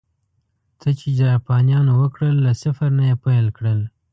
څه چې جاپانيانو وکړل، له صفر نه یې پیل کړل